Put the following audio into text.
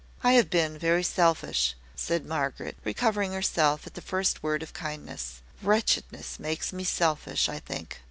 "I have been very selfish," said Margaret, recovering herself at the first word of kindness; "wretchedness makes me selfish, I think."